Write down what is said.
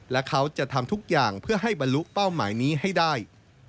และเขาจะทำทุกอย่างเพื่อให้บรรลุเป้าหมายนี้ให้ได้